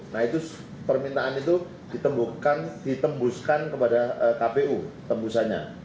nah itu permintaan itu ditembuskan kepada kpu tembusannya